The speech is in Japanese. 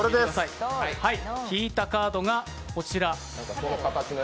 引いたカードがこちら。